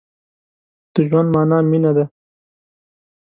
د ژوند مانا مينه ده.